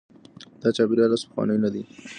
دا چاپیریال اوس پخوانی نه دی.